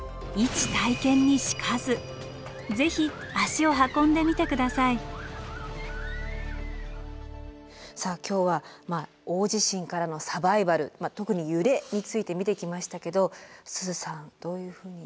ぜひ足を運んでみて下さい。さあ今日は大地震からのサバイバル特に揺れについて見てきましたけどすずさんどういうふうに？